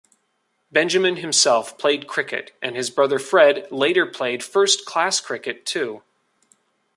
Benjamin himself played cricket, and his brother Fred later played first-class cricket too.